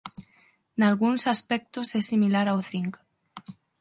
Nalgúns aspectos é similar ao zinc.